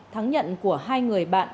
thắng nhận của hai người bạn